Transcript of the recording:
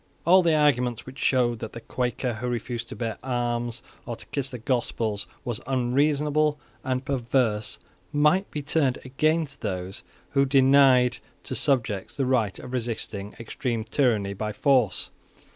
All the arguments, which showed that the Quaker, who refused to bear arms, or to kiss the Gospels, was unreasonable and perverse, might be turned against those who denied to subjects the right of resisting extreme tyranny by force.